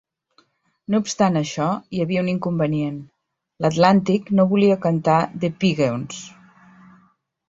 No obstant això, hi havia un inconvenient: Atlantic no volia cantar "The Pigeons".